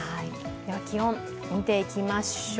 気温、見ていきましょう。